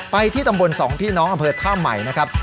ไปที่ตำบลสองพี่น้องอเภิอทะเม๋นะครับ